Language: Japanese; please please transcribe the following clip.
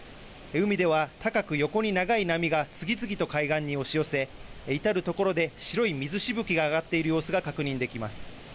海では高く横に長い波が次々と海岸に押し寄せ至る所で白い水しぶきが上がっている様子が確認できます。